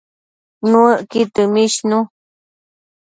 Nuëcqud dëmishnu